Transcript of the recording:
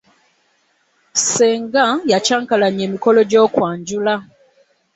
Ssenga ya ccankalanya emikolo gyokwanjula.